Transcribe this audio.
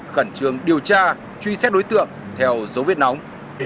khẩn trường điều tra truy xét đối tượng theo dấu viết nóng